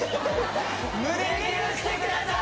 胸キュンしてください！